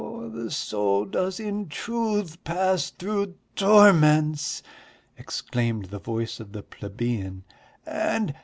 The soul does in truth pass through torments!" exclaimed the voice of the plebeian, "and